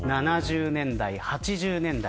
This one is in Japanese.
７０年代、８０年代